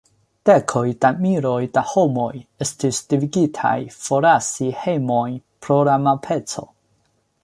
Dekoj da miloj da homoj estis devigitaj forlasi hejmojn pro la malpaco.